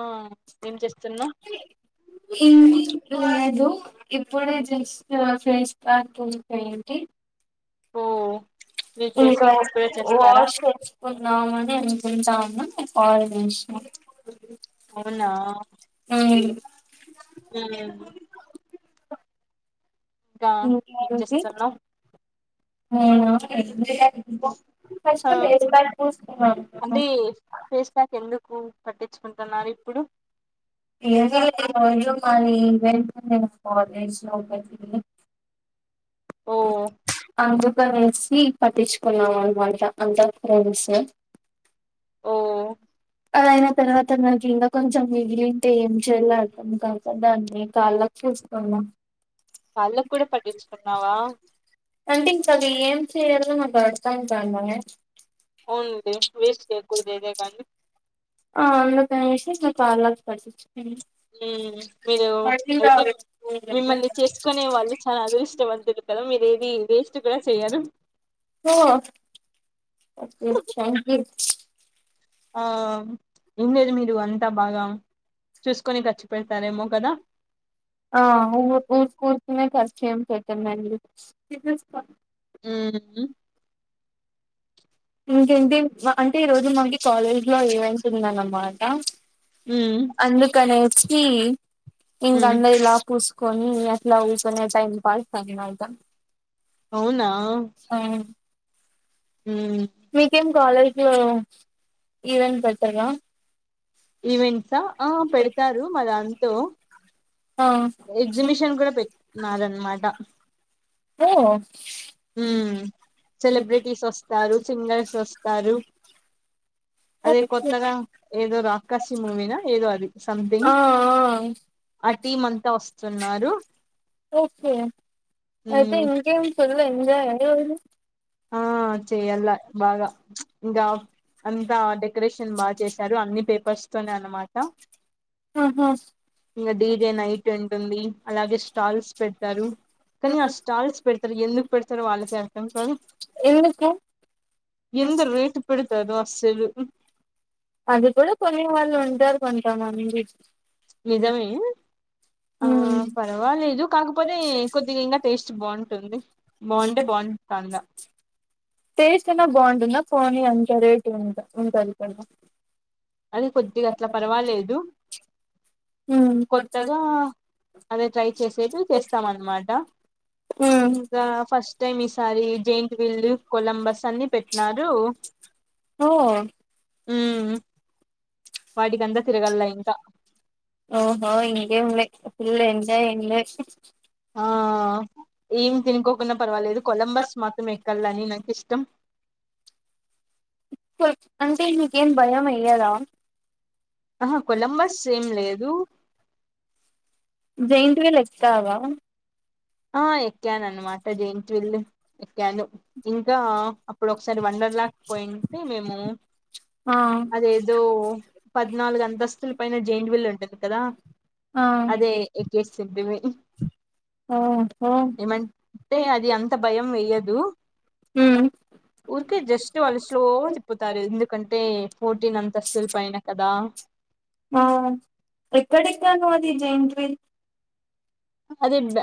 ఆ ఏం చేస్తున్నావ్ ఏ లేదు ఇప్పుడే జస్ట్ ఫేస్ పక్ పపో ఏంటి ఓ మీరు [unintelligible] ఫేస్ ఇంకా ప్యాక్ కూడా చేస్తారా వాష్ తెచ్చుకుందమ [unintelligible] అవునా ఊ ఇంకా ఏం ఇంకాది చేస్తున్నావ్ ఆ [unintelligible] అంటే [unintelligible] ఫేస్ ప్యాక్ ఎందుకు పట్టించుకుంటున్నారు ఇప్పుడు [unintelligible] నేను కాలేజ్ లో ఒకటి ఓ [unintelligible] ఆగు ంచి పట్టించుకున్నాం అనమాట అంతా ఫ్రెండ్స్ ఓ అదయిన తర్వాత నాకు ఇంకా కొంచెం మిగిలింటే ఏం చేయలో అర్థం కాక దాన్ని కాళ్ళకి చూసుకున్నాం వాళ్ళు కూడా పట్టించుకున్నావా అంటే ఇంకా అది ఏం చేయదు నాకు అర్తంంటన్నానే అవును వే వేస్ట్ కాకూడదు ఏదైనా గాని ఆ అందుకనేసి కళ్లకు పట్టిన మీరు అయితే మిమ్మల్ని చేసుకునే వాళ్ళు చాలా అదృష్టవంతులు కాద మీరు ఏది వేస్ట్ కూడా చేయ్యరు ఓఓ ఒకే ట్యాంక్యూ ఆ ఏం లేదు మీరు అంతా బాగా చూసుకొని ఖర్చు పెడతారేమో కదా ఆ అవును చూస్ చూసుకునే ఖర్చు చేమ్ పెట్టాం మండి టిఫిన్స్ మ్మ్ ఇంకేంటి అంటే ఈ రోజు మనకి కాలేజ్ లో ఈవెంట్ ఉందన అన్నమాట అంటా ఉమ్ అందుకనే హ్మ్మ్ ఇింగ్ ఉమ్ అన్నదిలాపూస్ కొన్ని ఎలా ఉంటెనే టైమ్ పాస్ పని అవునా ఉమ్ మీకేం కాలేజ్ లో ఇవి ఏం పెట్టారా ఈవెంట్సా ఆ పెడతారు మా దాంతో ఆ ఎగ్జిబిషన్ కూడా పెట్న్నారు అనమాట ఓ హ్మ సెలబ్రిటీస్ వస్తారు సింగర్స్ వస్తారు అదే కొత్తగా ఏదో రాకాసి మూవీనా ఏదో అది సంథింగ్ ఆ ఆ ఆ టీమ్ అంతా వస్తున్నారు ఓకే అయితే మ్మ్ ఇంకేం ఎంజాయ్ ఆ ఆ చేయ్యాల బాగా ఇంకా అంత డెకరేషన్ బాగా చేశారు అన్ని పేపర్స్ తోనే అనమాట ఆహా ఇంకా డీజే నైట్ ఉంటుంది అలాగే స్టాల్స్ పెడతారు. కానీ ఆ స్టాల్స్ పెడతారు. ఎందుకు పెడతారు. వాళ్ళకే అర్థం కాదు. ఎందుకు ఎంత రేట్ పెడతారో అస్సలు అది కూడా కొనే వాళ్ళు ఉంటారు కొన్ని. కొంతమంది. నిజమే. ఆ ఉమ్ పర్వాలేదు కాకపోతే కొద్దిగా ఇంకా టేస్ట్ బాగుంటుంది బాగుంటే బాగుంటండ. టేస్ట్ అయినా బాగుంటుందా పోనీ అంతా రేట్ ఉంట ఉంటది కదా. అది కొద్దిగా అట్ల పర్వాలేదు ఉమ్ కొత్తగా అదే ట్రై చేసేది చేస్తాం అనమాట ఉమ్ ఇంకా ఫస్ట్ టైం ఈసారి జెయింట్ వీళ్ళు కొల నంబర్స్ అన్ని పెట్టినారూ ఓ ఊ ఓహో ఇంగేం లే ఫుల్ల్ ఎంజాయ్ అండి. ఆ ఏం తినుకోకున్నా పర్వాలేదు కొలంబస్ మాత్రం ఎక్కల్లని నాకు ఇష్టం. ప అంటే నీకేమ్ భయం ఎయ్యదా. ఆహ కొలంబస్ ఏం లేదు. జెయింట్ వీల్ ఎక్కుతావా. ఆ ఎక్కానన్నమట జెయింట్ విల్లు. ఎక్కాను ఇంకా. అప్పుడు ఒకసారి వండర్ లాక్ పోయింటే మేము ఆ అదేదో పద్నాలుగు అంతస్తుల పైన జెయింట్ వీల్లు ఉంటది కదా అదే ఆ ఎక్కేసింటిమి. ఓహో ఏమంటే అది అంత భయం వేయ్యదు ఉమ్. ఊరికే జస్ట్ వాళ్ళు స్లో తిప్పుతారు ఎందుకంటే ఫోర్టీన్ అంతస్తులు పైన కదా. ఆ ఎక్కడెక్కావు నువ్వు అది జెయింట్ విల్ల్. అదిబ్బ.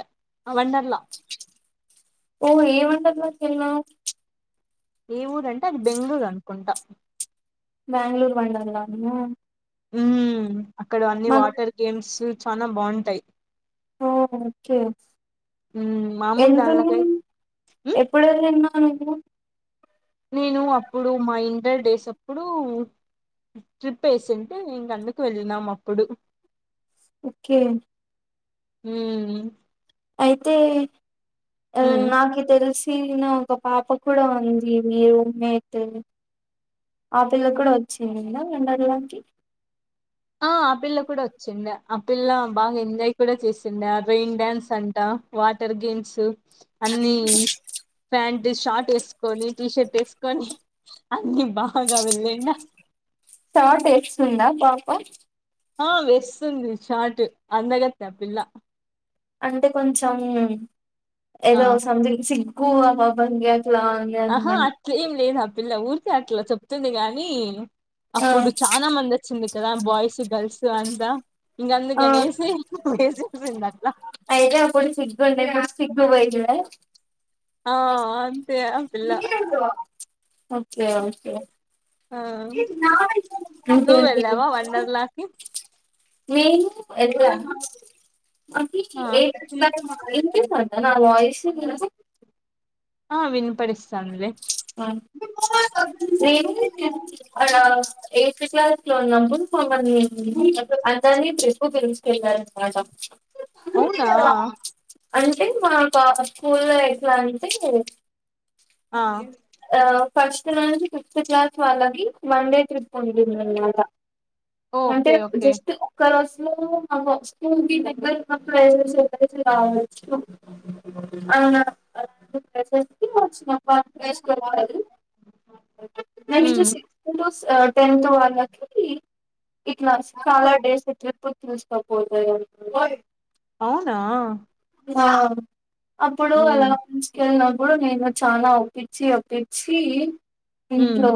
ఓ ఏవన్ డర్లా కెళ్ళినావ్ ఏ ఊర్ అంటే అది బెంగళూరు అనుకుంటా. బ్యాంగ్లూర్ వండర్లాన ఊ అక్కడ అన్ని వాటర్ గేమ్స్. చానా బాగుంటాయి. ఓ ఓకే ఉమ్, మామూలు ఎంత దానిలకై ఉంది ఎప్పుడూ వెళ్ళినావ్. నువ్వు నేను అప్. అప్పుడు మా ఇంటర్ డేసప్పుడు. ట్రిప్ వేసింటే ఇగ అందుకే వెళ్ళినాం అప్పుడు. ఓకే ఉమ్ అయితే అ ఉమ్. నాకే తెలుసు నా ఒక పాప కూడా ఉంది మీ రూమ్మేట్ ఆ పిల్ల కూడా వచ్చిందిద వండర్లాంటి ఆ ఆపిల్లో కూడా వచ్చిడి ఆపిల్ల బాగా ఎంజాయ్ కూడా చేసి చి రైన్ డాన్స్ అంటా వాటర్ గేమ్స్ అన్ని ప్యాంట్ షార్ట్ వేసుకొని టీ షర్ట్ వేసుకొని అన్ని బాగా వెళ్ళడా ఆ ఆ వేస్తుంది షార్ట్ అందగత్తే ఆపిల్ల అంటే కొంచెం ఏదో ఆ సంథింగ్ చి కో అమ్మా బంగ ఆహా అట్లేం లేదు ఆ పిల్ల ఊరితే అట్లా చెప్తుంది గానీ నీ ఆ అప్పుడు చానా మంది వచ్చిండ్రు కదా బాయ్స్, గర్ల్స్ అంతా ఆ అందుకనేసి వేసేసింది అట్లా అయితే అప్పుడు సిగ్గుండదా సిగ్గు పోయిందా హ ఆ అంతే ఆ పిల్ల ఓకే ఓకే ఆ నువ్ వెళ్ళవా వండర్లాకి తీ ఆ ఆ వినపడిస్తాందిలే ఎంత [inaudible] [unintelligible] [unintelligible] అవునా అంటే మా స్కూల్లో ఎట్లా అంటే ఆ ఆ ఫస్ట్ క్లాసు, ఫిఫ్త్ క్లాస్ వాళ్ళకి వన్డే ట్రిప్ ఉంటుందనమాట అంటే ఓకే ఓకే జస్ట్ ఒక్క రోజు మాకు స్కూల్ కి దగ్గర [inaudible] [inaudible] సెవెంత్, ఉమ్ ఎయిత్ వాళ్ళకి ఈ క్లాసు సపోజ్ అవునా అప్పుడు అలా ఉమ్ తీసుకెళ్ినం ఇప్పుడు నేను చాలా ఒప్పించి ఒప్పించి ఉమ్ ఇంట్లో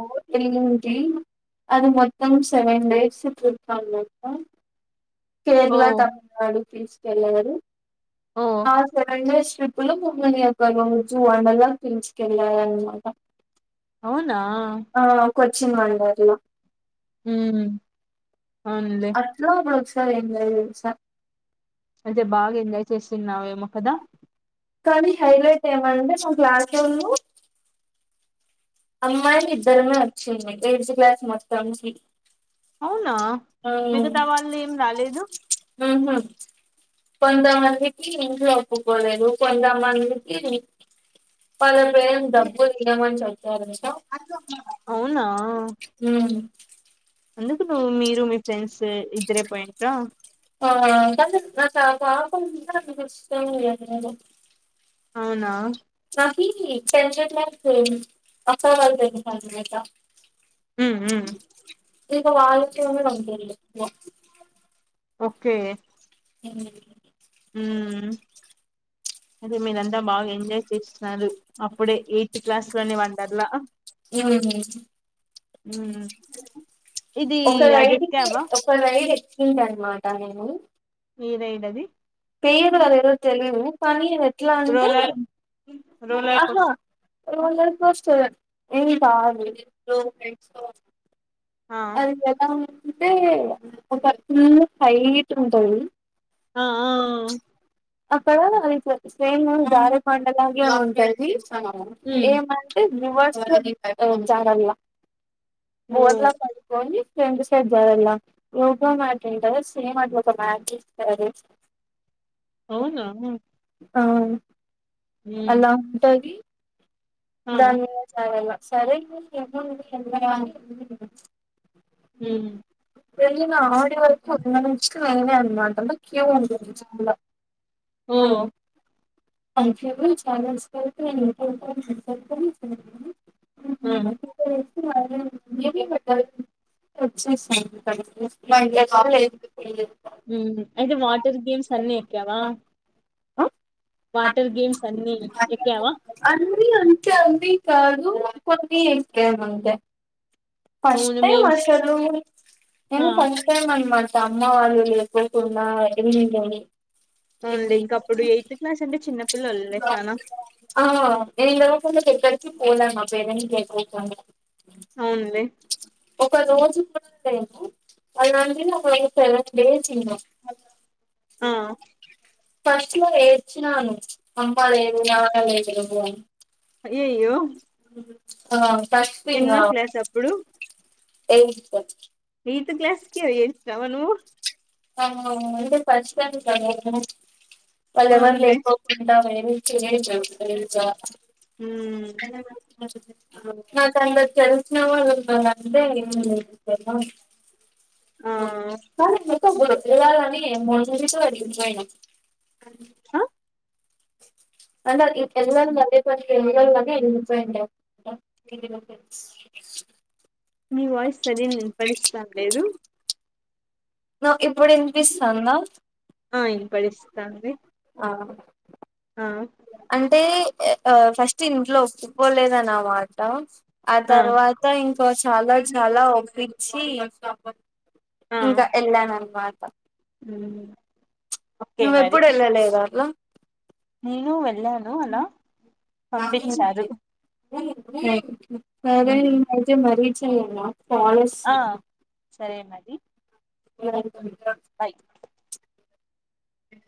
అది మొత్తం సెవెన్ డేస్ [unintelligible] ఓ కేరళ తమిళనాడు ప్జ ఎలరు ఓ ఆ సరే అండి ట్రిప్పు లో మమ్మల్ని అక్క రోజు వండర్లా పిసుుకెళ్ళాలి అన్నమాట అవునా కొచ్చిిన మండార మ్మ్ అట్లా ఒక [unintelligible] అంటే బాగా ఎంజాయ్ చేస్తున్నావేమో కదా కానీ హైలైట్ ఏమండి మా క్లాస్ వాళ్ళు అమ్మాయి ఇద్దరమే వచ్చింది ఎయిత్ క్లాస్ మొత్తం క అవునా మిగతా వాళ్ళు ఏం రాలేదు కొంతమందికి ఇంట్లో ఒప్పుకోలేదు కొందమందికి పద ే డబ్బు నియమని చ సంటా అవునా మ్మ్ అందుకు నువ్వు మీరు మీ ఫ్రెండ్స్ ఇద్దరే పోయిండ్రా ఆ నాకు పాపం ఇష్ట అవునా కి కి టెన్త్ క్లాస్ ఫెయిల్ [unintelligible] మ్మ్ మ్మ్ ఇకా వాళ్ళక వన్న కం ఓకే మ్మ్ ఉమ్ అదే మీరంతా బాగా ఎంజాయ్ చేస్తున్నారు అప్పుడే ఎయిత్ క్లాస్ లోనే వండర్లా మ్మ్ ఉమ్ ఇది ఒక అది రైడ్కి ఎక్కావా ఒక రైడ్ ఎక్ంట అనమాట అనీ మీరైడది పేరు అదేదో తెలివు పనీరు ఎట్లా అంటే రోలర్ రోలర్ హహ కోస్ ఆ రోలర్ కోస్ట్ ఏ కా [unintelligible] ఆ అది ఎలా ఉంది అంటే ఒక టూ హైట్ ఉంటాది ఆ ఆ ఇక్కడ సేమ్ జారుడు బండలాగే ఉంటుంది ఉమ్ ఏమంటే రివర్స్ చారళ్ళ హమ్ ఫ్రెండ్ సైడ్ జారలా యోగా మ్యాట్ ఉంటారు సేమ్ అట్లా ఒక మ్యాట్ ఇస్తారు అవునా అవును ఉమ్ అలా ఉంటాది ఆ ధాన్ మీద నుంచీ ఆడాల సరే [unintelligible] ఉమ్ వెళ్ళినా ఆడి వరకు మంటలో క్యూ ఉంది చాలా ఓ ఉ ూ చఛాలస్ [unintelligible] చె సడి ఆ [unintelligible] [unintelligible] మీ [unintelligible] హమ్ అయితే వాటర్ గేమ్స్ అన్ని ఎక్కావా ఆ వాటర్ గేమ్స్ అన్ని ఎక్కావ్వ అ అన్నీ కాదు కొన్ని ఎక్కాను అంతే ఫస్ట్ అవును టైమ్ మేం అసలు ఆ నేను ఫస్ట్ టైమ్ అన్నమాట అమ్మ వాళ్ళు ఎటు వైపు ఉన్నా ఎంటని అవునండి ఇంక అప్పుడు ఎయిత్ క్లాస్ అంటే చిన్నపిల్లలే చాలా రికి ఎక్కడికి పోలే మా పేరెంట్స్ లేకుండ అవునండి ఒక రోజు కూడా నేను [unintelligible] ఉ [unintelligible] ఆ ఫస్ట్ లో ఏడ్చినాను అమ్మ లేదు నాన్న లేరు అని అయ్యయ్యో ఆ ఎన్నో సస్తివా క్లాస్ అప్పుడు [unintelligible] ఏయిత్తు క్లాస్ కే ఏయిత్తా మనము [unintelligible] ఫస్ట్ టైం కదా నేను వాళ్ళు ఎవరు అవునులే లేకోకుండా [unintelligible] మీకు ఏజు తెలుసా ఉమ్ నా కంత తె ఆ [unintelligible] [unintelligible] [unintelligible] ఆ అయిన [unintelligible] [unintelligible] [unintelligible] మీ వాయిస్ సరింగ ఇన్ పడిస్తాన్ లేదు నా ఇప్పుడు ఇనిపిస్తాంద ఆ వినపడిస్తాంది ఆ అంటే ఆ ఫస్ట్ ఇంట్లో ఒప్పుకోలేదన్నమాట ఆ తర్వాత ఇంకా చాలా చాలా ఒప్పించి స్వాప ఆ ఇంకా ఎల్లాననుమాట ఉమ్ ఓకే నువ్వు మరి ఎప్పుడు ఎల్లా లేద అట్లా నేను వెళ్ళాను అలా పంపించారు సరేలే ఉమ్ ఇంకోచేపు మరి చేయల్లా ఫాలస్ ఆ సరే మరి అ అ